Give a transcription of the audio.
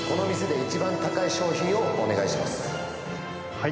はい。